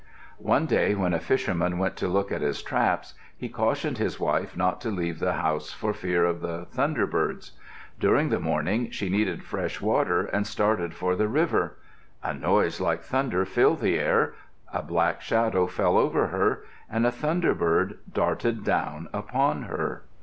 One day when a fisherman went to look at his traps, he cautioned his wife not to leave the house for fear of the thunderbirds. During the morning, she needed fresh water and started for the river. A noise like thunder filled the air, a black shadow fell over her, and a thunderbird darted down upon her.